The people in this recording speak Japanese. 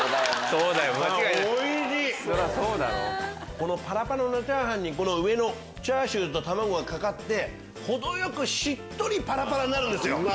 このパラパラのチャーハンにチャーシューと卵がかかって程よくしっとりパラパラになるんですよ。